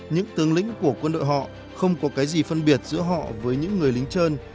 những tướng lĩnh của quân đội họ không có cái gì phân biệt giữa họ với những người lính trơn